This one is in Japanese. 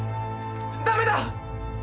ダメだ！